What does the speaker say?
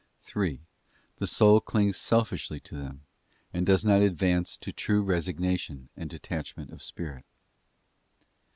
3. The soul clings selfishly to them, and does not advance to true resignation and detachment of spirit.